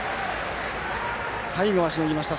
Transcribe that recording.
最後は、しのぎました。